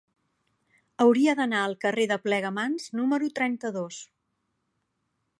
Hauria d'anar al carrer de Plegamans número trenta-dos.